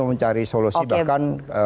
mencari solusi bahkan